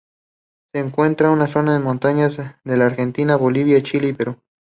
Se encuentra en zonas montañosas de la Argentina, Bolivia, Chile y Perú.